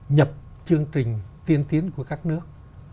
nhập chương trình tiên tiến của các nước